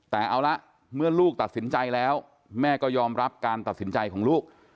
แต่เอาละเมื่อลูกตัดสินใจแล้วแม่ก็ยอมรับการตัดสินใจของลูก